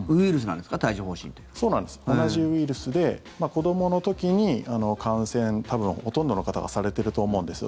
同じウイルスで子どもの時に感染多分ほとんどの方がされてると思うんです。